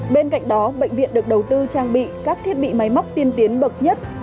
bên cạnh đó bệnh viện được đầu tư trang bị các thiết bị máy móc tiên tiến bậc nhất